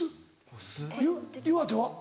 岩手は？